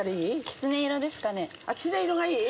きつね色がいい？